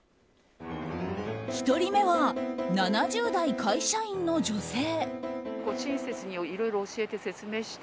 １人目は７０代会社員の女性。